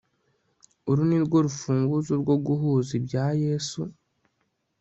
uru ni rwo rufunguzo rwo guhuza ibya yesu